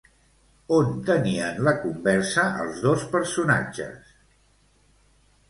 On tenien la conversa els dos personatges?